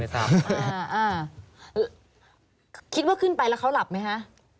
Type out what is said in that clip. ไม่ทราบอ่าอ่าคิดว่าขึ้นไปแล้วเขาหลับไหมฮะ